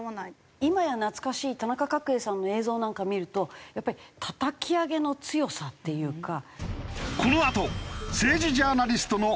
今や懐かしい田中角栄さんの映像なんか見るとやっぱりたたき上げの強さっていうか。